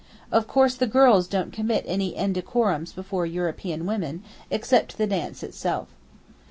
Of course the girls don't commit any indecorums before European women, except the dance itself.